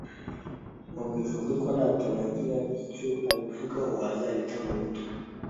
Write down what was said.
Nkubwije ukuri ko natanagira icyo abivugaho azarita mu gutwi